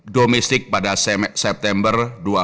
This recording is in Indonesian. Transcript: domestik pada september dua ribu dua puluh